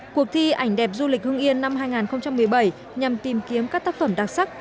cuộc thi ảnh đẹp du lịch hưng yên năm hai nghìn một mươi bảy nhằm tìm kiếm các tác phẩm đặc sắc